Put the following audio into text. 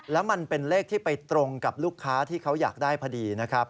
แล้วมันเป็นเลขที่ไปตรงกับลูกค้าที่เขาอยากได้พอดีนะครับ